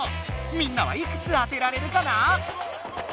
みんなはいくつ当てられるかな？